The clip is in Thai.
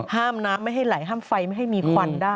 น้ำไม่ให้ไหลห้ามไฟไม่ให้มีควันได้